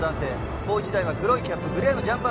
もう一台は黒いキャップグレーのジャンパー